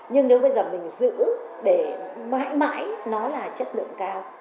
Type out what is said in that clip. nhưng nếu bây giờ mình giữ để mãi mãi nó là chất lượng cao